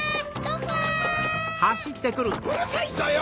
うるさいぞよ！